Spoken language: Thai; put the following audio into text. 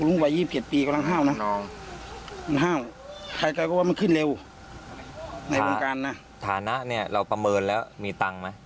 ระดับสองระดับสองก็แค่เพราะเจ้าไอ้สารตอนบนมั้ย